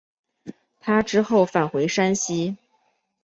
他之后返回山西。